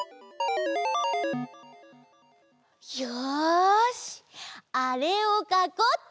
よしあれをかこうっと！